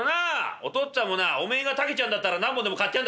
「お父っつぁんもなおめえが竹ちゃんだったら何本でも買ってやんだ